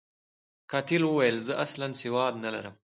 قاتل ویل، زه اصلاً سواد نلرم.